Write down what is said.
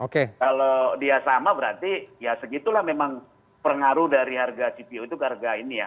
kalau dia sama berarti ya segitulah memang pengaruh dari harga cpo itu harga ini ya